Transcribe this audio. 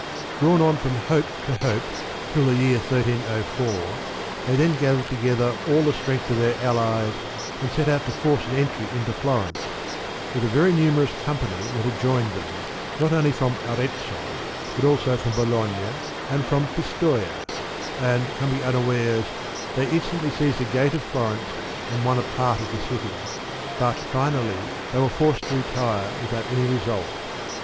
Drawn on from hope to hope till the year 1304, they then gathered together all the strength of their allies and set out to force an entr)' into Florence, with a very numerous company that had joined them not only from Arezzo but also from Bologna and from Pistoia ; and, coming unawares, they instantly seized a gate of Florence and won a part of the city ; but finally they were forced to retire without any result.